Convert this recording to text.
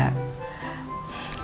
kan itu bumbu dari cinta